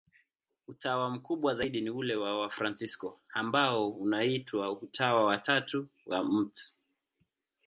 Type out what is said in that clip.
Utawa mkubwa zaidi ni ule wa Wafransisko, ambao unaitwa Utawa wa Tatu wa Mt.